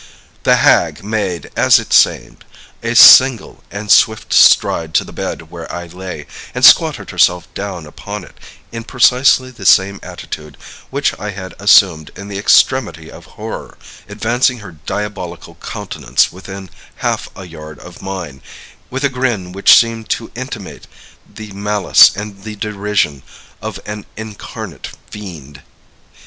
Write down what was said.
"The hag made, as it seemed, a single and swift stride to the bed where I lay, and squatted herself down upon it in precisely the same attitude which I had assumed in the extremity of horror, advancing her diabolical countenance within half a yard of mine, with a grin which seemed to intimate the malice and the derision of an incarnate fiend."